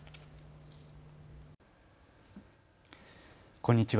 こんにちは。